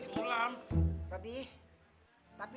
gue gak mau perempuan lain